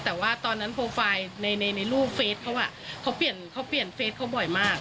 แต่ว่าตอนนั้นโปรไฟล์ในรูปเฟสเขาเขาเปลี่ยนเฟสเขาบ่อยมาก